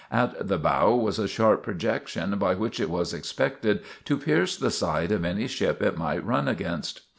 At the bow was a sharp projection by which it was expected to pierce the side of any ship it might run against.